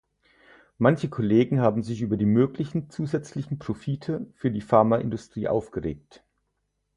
Manche Kollegen haben sich über die möglichen zusätzlichen Profite für die Pharmaindustrie aufgeregt.